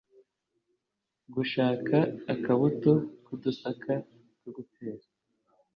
gushaka akabuto k’udusaka two gutera